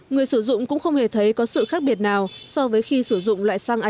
người sử dụng cũng không hề thấy có sự khác biệt nào so với khi sử dụng loại xăng a chín mươi hai